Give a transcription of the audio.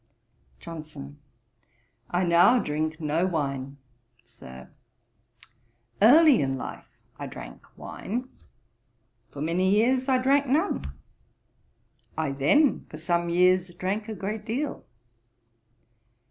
JOHNSON. 'I now drink no wine, Sir. Early in life I drank wine: for many years I drank none. I then for some years drank a great deal.'